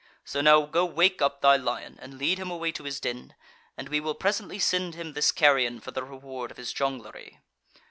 'So now go wake up thy lion, and lead him away to his den: and we will presently send him this carrion for a reward of his jonglery.'